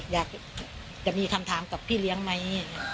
อยากจะมีคำถามกับพี่เลี้ยงไหม